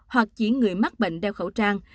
hoặc chỉ người mắc bệnh đeo khẩu trang